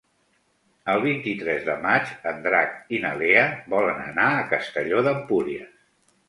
El vint-i-tres de maig en Drac i na Lea volen anar a Castelló d'Empúries.